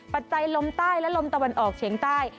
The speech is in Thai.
ปัจจัยลมใต้และลมตะวันออกเฉียงใต้